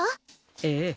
ええ。